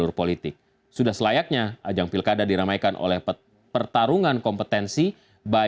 tapi bila wanita terkenal gereka